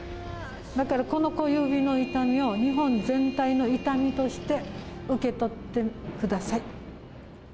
だから、この小指の痛みを日本全体の痛みとして受け取ってください。